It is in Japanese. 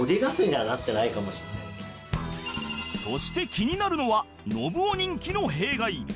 そして気になるのはノブオ人気の弊害